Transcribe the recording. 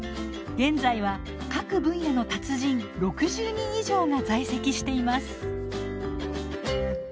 現在は各分野の達人６０人以上が在籍しています。